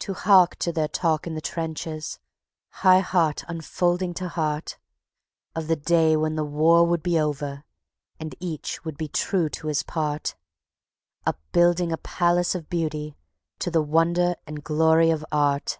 To hark to their talk in the trenches, high heart unfolding to heart, Of the day when the war would be over, and each would be true to his part, Upbuilding a Palace of Beauty to the wonder and glory of Art